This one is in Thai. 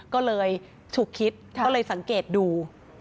ก็เลยฉุกคิดก็เลยสังเกตดู